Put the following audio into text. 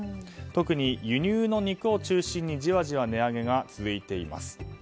特に輸入の肉を中心にじわじわ値上げが続いています。